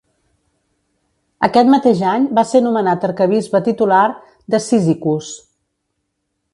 Aquest mateix any va ser nomenat arquebisbe titular de Cyzicus.